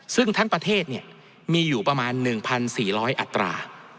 ซึ่งท่านประเทศเนี่ยมีอยู่ประมาณหนึ่งพันสี่ร้อยอัตรา